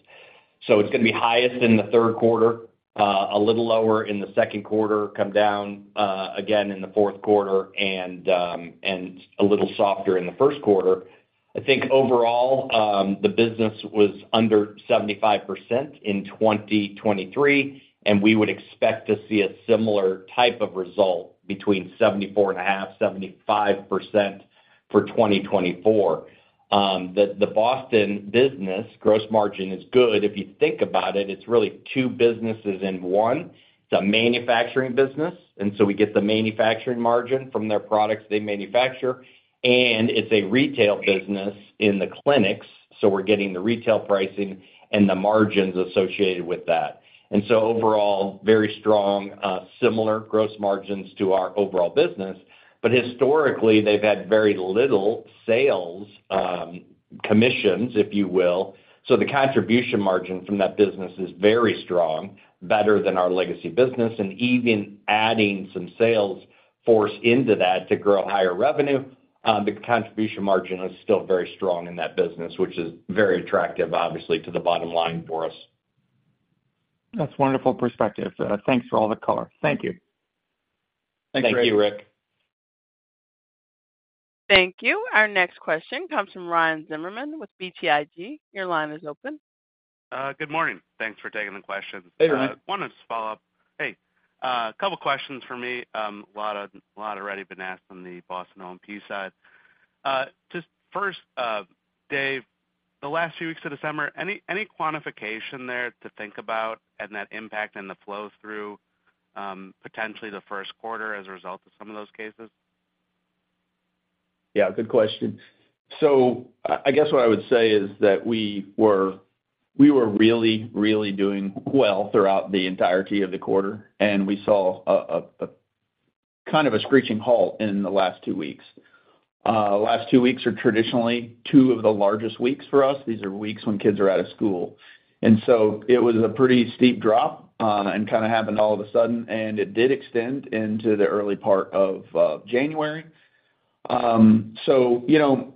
So it's going to be highest in the third quarter, a little lower in the second quarter, come down again in the fourth quarter, and a little softer in the first quarter. I think overall, the business was under 75% in 2023, and we would expect to see a similar type of result between 74.5%-75% for 2024. The Boston business gross margin is good. If you think about it, it's really two businesses in one. It's a manufacturing business, and so we get the manufacturing margin from their products they manufacture. And it's a retail business in the clinics, so we're getting the retail pricing and the margins associated with that. And so overall, very strong, similar gross margins to our overall business. But historically, they've had very little sales commissions, if you will. So the contribution margin from that business is very strong, better than our legacy business. And even adding some sales force into that to grow higher revenue, the contribution margin is still very strong in that business, which is very attractive, obviously, to the bottom line for us. That's wonderful perspective. Thanks for all the color. Thank you. Thanks, Rick. Thank you, Rick. Thank you. Our next question comes from Ryan Zimmerman with BTIG. Your line is open. Good morning. Thanks for taking the questions. Hey, Rick. I wanted to just follow up. Hey, a couple of questions for me. A lot have already been asked on the Boston O&P side. Just first, Dave, the last few weeks of the summer, any quantification there to think about and that impact and the flow through potentially the first quarter as a result of some of those cases? Yeah. Good question. So I guess what I would say is that we were really, really doing well throughout the entirety of the quarter, and we saw kind of a screeching halt in the last two weeks. Last two weeks are traditionally two of the largest weeks for us. These are weeks when kids are out of school. And so it was a pretty steep drop and kind of happened all of a sudden, and it did extend into the early part of January. So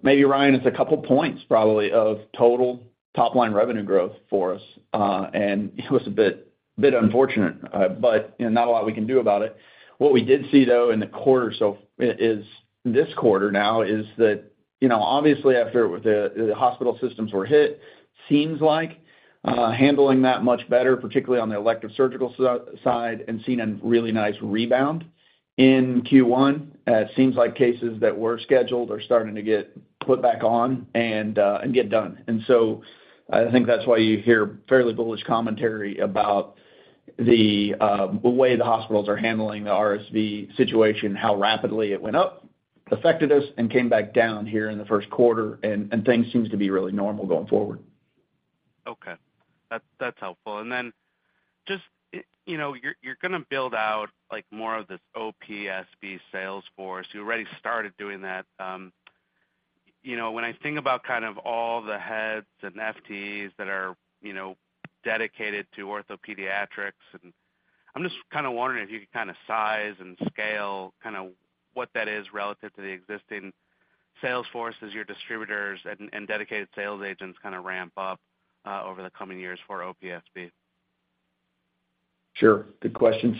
maybe, Ryan, it's a couple of points, probably, of total top-line revenue growth for us. It was a bit unfortunate, but not a lot we can do about it. What we did see, though, in the quarter, so this quarter now, is that obviously, after the hospital systems were hit, seems like handling that much better, particularly on the elective surgical side, and seen a really nice rebound in Q1. It seems like cases that were scheduled are starting to get put back on and get done. So I think that's why you hear fairly bullish commentary about the way the hospitals are handling the RSV situation, how rapidly it went up, affected us, and came back down here in the first quarter. Things seem to be really normal going forward. Okay. That's helpful. Then just you're going to build out more of this OPSB sales force. You already started doing that. When I think about kind of all the heads and FTs that are dedicated to OrthoPediatrics, and I'm just kind of wondering if you could kind of size and scale kind of what that is relative to the existing sales forces, your distributors and dedicated sales agents kind of ramp up over the coming years for OPSB. Sure. Good question.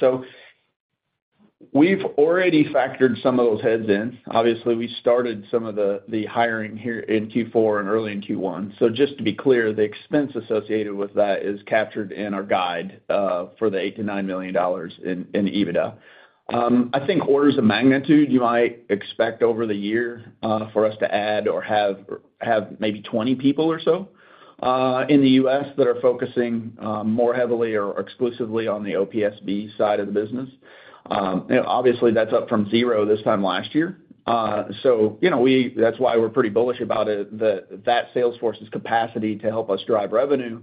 So we've already factored some of those heads in. Obviously, we started some of the hiring here in Q4 and early in Q1. So just to be clear, the expense associated with that is captured in our guide for the $8 million to $9 million in EBITDA. I think orders of magnitude, you might expect over the year for us to add or have maybe 20 people or so in the US that are focusing more heavily or exclusively on the OPSB side of the business. Obviously, that's up from zero this time last year. So that's why we're pretty bullish about it, that sales force's capacity to help us drive revenue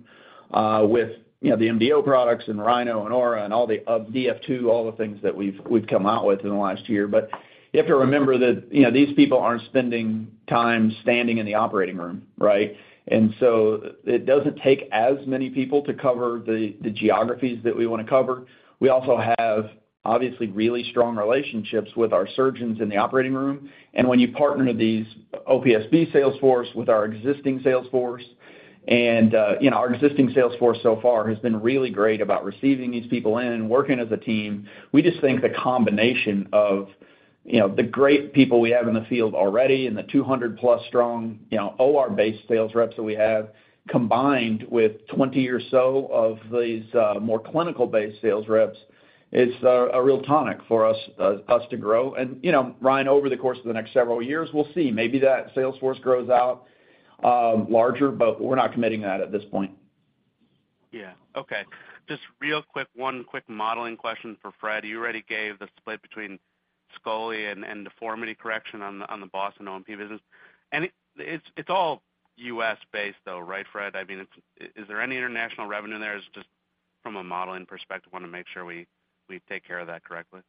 with the MDO products and Rhino and Ora and all the DF2, all the things that we've come out with in the last year. But you have to remember that these people aren't spending time standing in the operating room, right? And so it doesn't take as many people to cover the geographies that we want to cover. We also have, obviously, really strong relationships with our surgeons in the operating room. And when you partner this OPSB sales force with our existing sales force and our existing sales force so far has been really great about receiving these people in and working as a team, we just think the combination of the great people we have in the field already and the 200-plus strong OR-based sales reps that we have combined with 20 or so of these more clinical-based sales reps, it's a real tonic for us to grow. And Ryan, over the course of the next several years, we'll see. Maybe that sales force grows out larger, but we're not committing that at this point. Yeah. Okay. Just real quick, one quick modeling question for Fred. You already gave the split between Scoli and deformity correction on the Boston O&P business. It's all U.S.-based, though, right, Fred? I mean, is there any international revenue there? It's just from a modeling perspective, I want to make sure we take care of that correctly.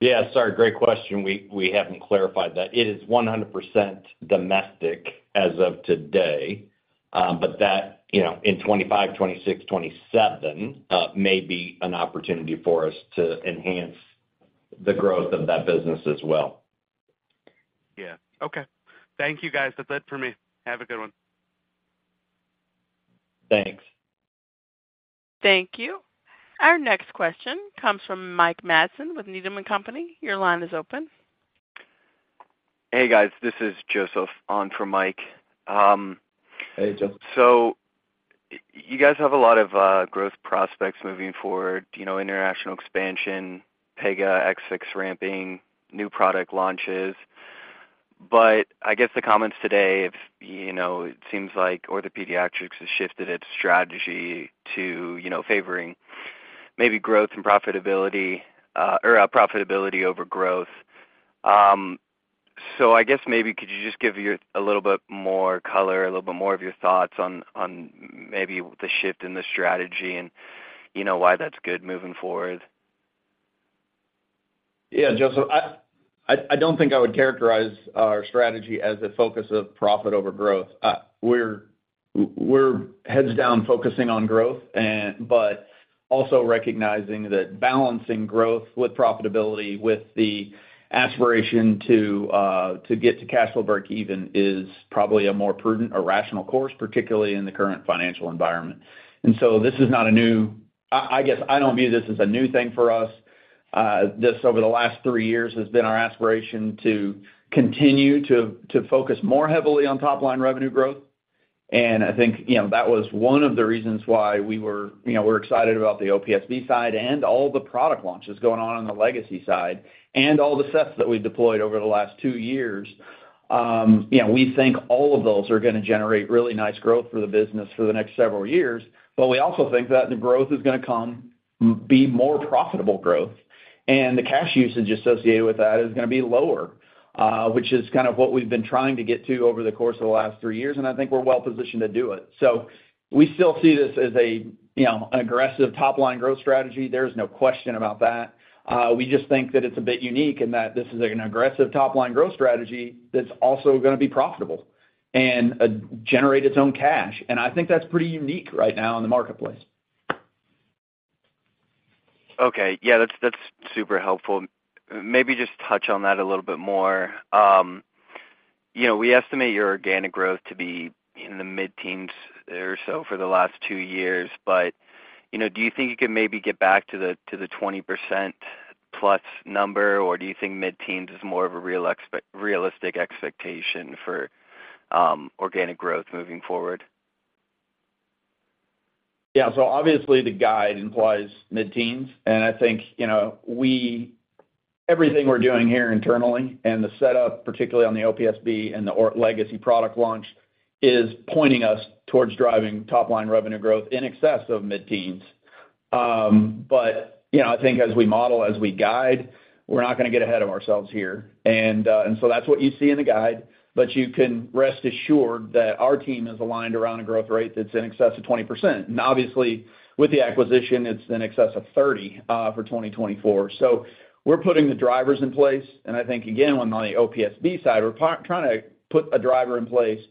Yeah. Sorry. Great question. We haven't clarified that. It is 100% domestic as of today, but that in 2025, 2026, 2027 may be an opportunity for us to enhance the growth of that business as well. Yeah. Okay. Thank you, guys. That's it for me. Have a good one. Thanks. Thank you. Our next question comes from Mike Matson with Needham & Company. Your line is open. Hey, guys. This is Joseph on from Mike. Hey, Joseph. So you guys have a lot of growth prospects moving forward, international expansion, Pega, Orthex ramping, new product launches. But I guess the comments today, it seems like OrthoPediatrics has shifted its strategy to favoring maybe growth and profitability or profitability over growth. So I guess maybe could you just give a little bit more color, a little bit more of your thoughts on maybe the shift in the strategy and why that's good moving forward? Yeah, Joseph. I don't think I would characterize our strategy as a focus of profit over growth. We're heads down focusing on growth but also recognizing that balancing growth with profitability with the aspiration to get to cash flow break-even is probably a more prudent, a rational course, particularly in the current financial environment. And so this is not a new I guess I don't view this as a new thing for us. This over the last three years has been our aspiration to continue to focus more heavily on top-line revenue growth. I think that was one of the reasons why we were excited about the OPSB side and all the product launches going on on the legacy side and all the sets that we've deployed over the last two years. We think all of those are going to generate really nice growth for the business for the next several years, but we also think that the growth is going to come be more profitable growth, and the cash usage associated with that is going to be lower, which is kind of what we've been trying to get to over the course of the last three years. I think we're well positioned to do it. We still see this as an aggressive top-line growth strategy. There is no question about that. We just think that it's a bit unique in that this is an aggressive top-line growth strategy that's also going to be profitable and generate its own cash. And I think that's pretty unique right now in the marketplace. Okay. Yeah. That's super helpful. Maybe just touch on that a little bit more. We estimate your organic growth to be in the mid-teens or so for the last two years, but do you think you can maybe get back to the 20%-plus number, or do you think mid-teens is more of a realistic expectation for organic growth moving forward? Yeah. So obviously, the guide implies mid-teens. And I think everything we're doing here internally and the setup, particularly on the OPSB and the legacy product launch, is pointing us towards driving top-line revenue growth in excess of mid-teens. But I think as we model, as we guide, we're not going to get ahead of ourselves here. And so that's what you see in the guide, but you can rest assured that our team is aligned around a growth rate that's in excess of 20%. And obviously, with the acquisition, it's in excess of 30% for 2024. So we're putting the drivers in place. And I think, again, on the OPSB side, we're trying to put a driver in place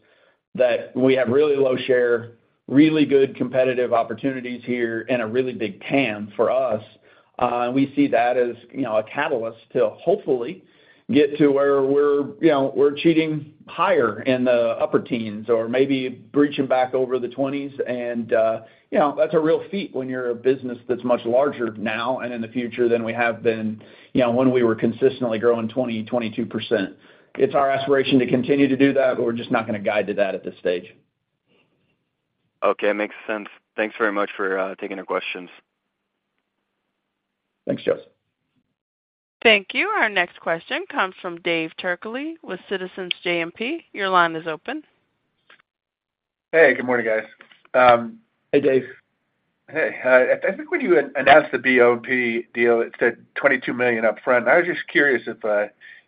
that we have really low share, really good competitive opportunities here and a really big TAM for us. And we see that as a catalyst to hopefully get to where we're cheating higher in the upper teens or maybe breaching back over the 20s. And that's a real feat when you're a business that's much larger now and in the future than we have been when we were consistently growing 20%-22%. It's our aspiration to continue to do that, but we're just not going to guide to that at this stage. Okay. Makes sense. Thanks very much for taking our questions. Thanks, Joseph. Thank you. Our next question comes from David Turkaly with Citizens JMP. Your line is open. Hey. Good morning, guys. Hey, Dave. Hey. I think when you announced the BOP deal, it said $22 million upfront. I was just curious if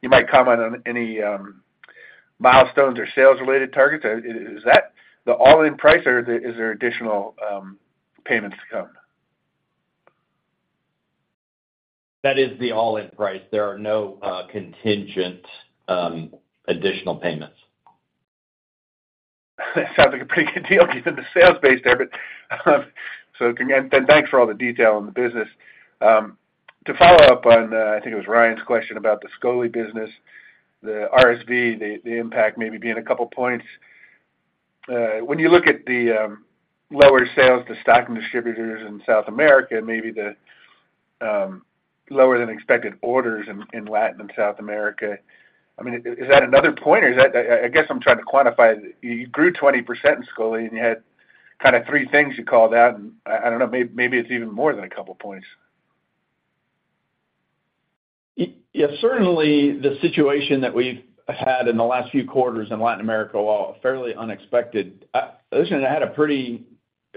you might comment on any milestones or sales-related targets. Is that the all-in price, or is there additional payments to come? That is the all-in price. There are no contingent additional payments. Sounds like a pretty good deal given the sales base there. Then thanks for all the detail on the business. To follow up on, I think it was Ryan's question about the Scoli business, the RSV, the impact maybe being a couple of points, when you look at the lower sales to stocking distributors in South America, maybe the lower-than-expected orders in Latin and South America, I mean, is that another point, or is that I guess I'm trying to quantify it. You grew 20% in Scoli, and you had kind of three things you called out. I don't know. Maybe it's even more than a couple of points. Yeah. Certainly, the situation that we've had in the last few quarters in Latin America, while fairly unexpected, listen, it had a pretty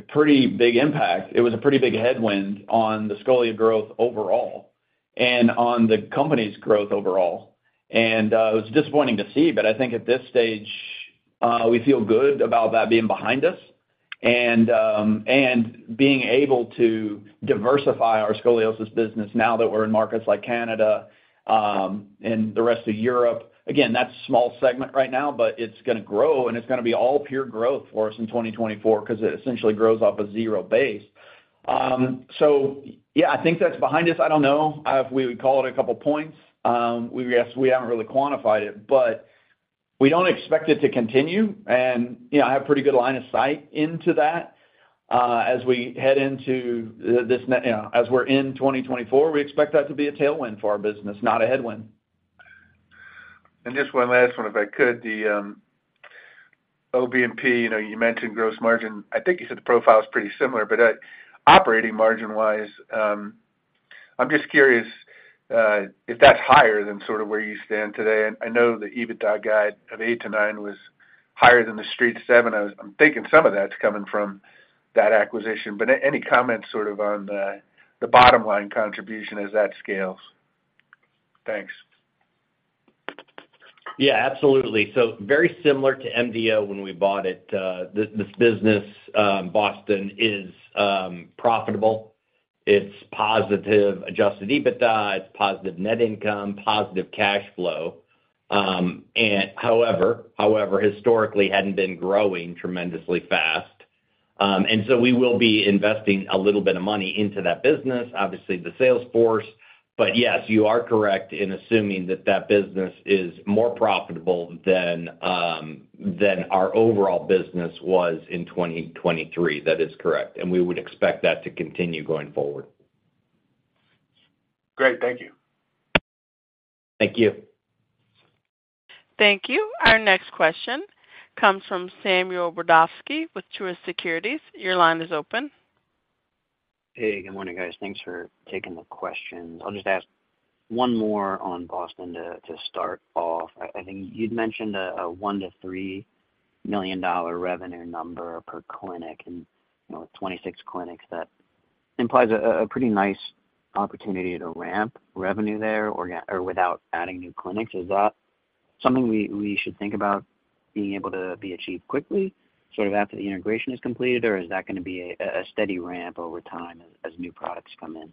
big impact. It was a pretty big headwind on the Scoli growth overall and on the company's growth overall. It was disappointing to see, but I think at this stage, we feel good about that being behind us and being able to diversify our scoliosis business now that we're in markets like Canada and the rest of Europe. Again, that's a small segment right now, but it's going to grow, and it's going to be all pure growth for us in 2024 because it essentially grows off a zero base. So yeah, I think that's behind us. I don't know if we would call it a couple of points. Yes, we haven't really quantified it, but we don't expect it to continue. And I have a pretty good line of sight into that as we head into this as we're in 2024. We expect that to be a tailwind for our business, not a headwind. And just one last one, if I could. The O&P, you mentioned gross margin. I think you said the profile's pretty similar, but operating margin-wise, I'm just curious if that's higher than sort of where you stand today. And I know the EBITDA guide of $8-$9 was higher than the street $7. I'm thinking some of that's coming from that acquisition. But any comments sort of on the bottom-line contribution as that scales? Thanks. Yeah. Absolutely. So very similar to MDO when we bought it, this business, Boston, is profitable. It's positive adjusted EBITDA. It's positive net income, positive cash flow. However, historically, hadn't been growing tremendously fast. And so we will be investing a little bit of money into that business, obviously, the sales force. But yes, you are correct in assuming that that business is more profitable than our overall business was in 2023. That is correct. We would expect that to continue going forward. Great. Thank you. Thank you. Thank you. Our next question comes from Samuel Brodovsky with Truist Securities. Your line is open. Hey. Good morning, guys. Thanks for taking the questions. I'll just ask one more on Boston to start off. I think you'd mentioned a $1 million to $3 million revenue number per clinic with 26 clinics. That implies a pretty nice opportunity to ramp revenue there without adding new clinics. Is that something we should think about being able to achieve quickly sort of after the integration is completed, or is that going to be a steady ramp over time as new products come in?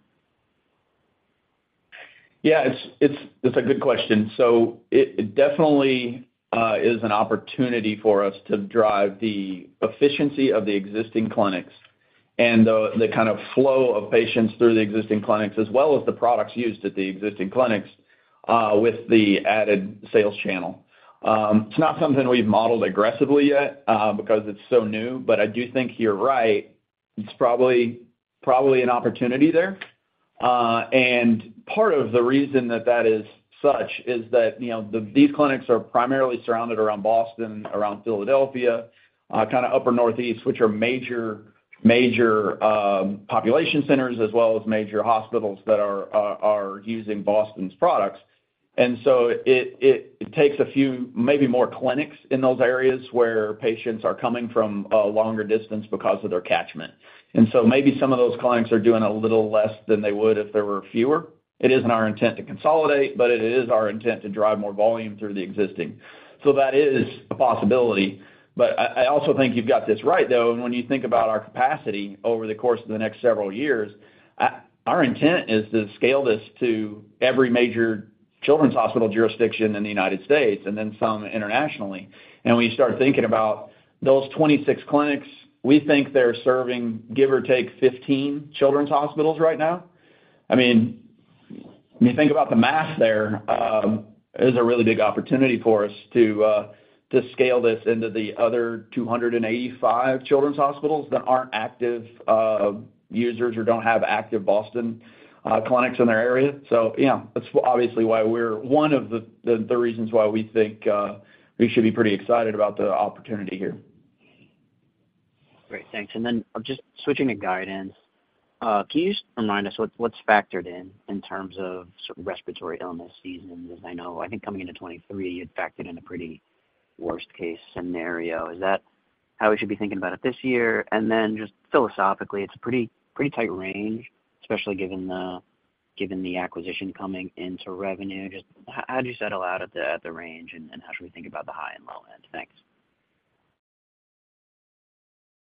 Yeah. It's a good question. So it definitely is an opportunity for us to drive the efficiency of the existing clinics and the kind of flow of patients through the existing clinics as well as the products used at the existing clinics with the added sales channel. It's not something we've modeled aggressively yet because it's so new, but I do think you're right. It's probably an opportunity there. And part of the reason that that is such is that these clinics are primarily surrounded around Boston, around Philadelphia, kind of upper northeast, which are major population centers as well as major hospitals that are using Boston's products. And so it takes a few maybe more clinics in those areas where patients are coming from a longer distance because of their catchment. And so maybe some of those clinics are doing a little less than they would if there were fewer. It isn't our intent to consolidate, but it is our intent to drive more volume through the existing. So that is a possibility. But I also think you've got this right, though. And when you think about our capacity over the course of the next several years, our intent is to scale this to every major children's hospital jurisdiction in the United States and then some internationally. And when you start thinking about those 26 clinics, we think they're serving, give or take, 15 children's hospitals right now. I mean, when you think about the math there, it is a really big opportunity for us to scale this into the other 285 children's hospitals that aren't active users or don't have active Boston clinics in their area. So yeah, that's obviously why we're one of the reasons why we think we should be pretty excited about the opportunity here. Great. Thanks. And then just switching to guidance, can you just remind us what's factored in in terms of sort of respiratory illness seasons? Because I think coming into 2023, you had factored in a pretty worst-case scenario. Is that how we should be thinking about it this year? And then just philosophically, it's a pretty tight range, especially given the acquisition coming into revenue. How do you settle out at the range, and how should we think about the high and low end? Thanks.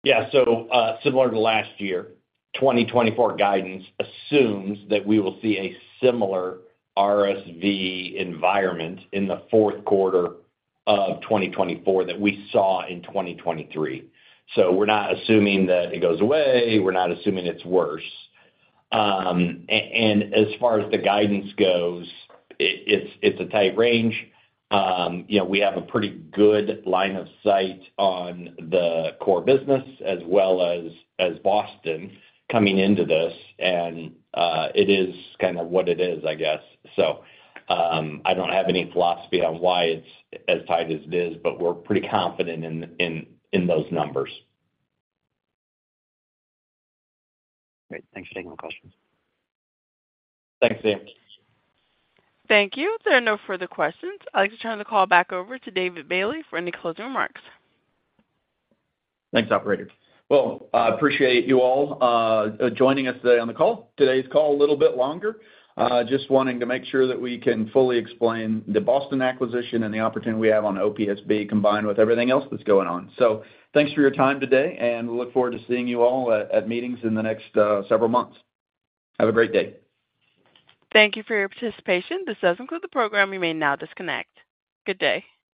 Yeah. So similar to last year, 2024 guidance assumes that we will see a similar RSV environment in the fourth quarter of 2024 that we saw in 2023. So we're not assuming that it goes away. We're not assuming it's worse. And as far as the guidance goes, it's a tight range. We have a pretty good line of sight on the core business as well as Boston coming into this. It is kind of what it is, I guess. I don't have any philosophy on why it's as tight as it is, but we're pretty confident in those numbers. Great. Thanks for taking my questions. Thanks, Sam. Thank you. If there are no further questions, I'd like to turn the call back over to David Bailey for any closing remarks. Thanks, operator. Well, I appreciate you all joining us today on the call. Today's call a little bit longer. Just wanting to make sure that we can fully explain the Boston acquisition and the opportunity we have on OPSB combined with everything else that's going on. Thanks for your time today, and we look forward to seeing you all at meetings in the next several months. Have a great day. Thank you for your participation. This does include the program. You may now disconnect. Good day.